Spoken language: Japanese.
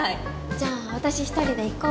じゃあ私１人で行こ。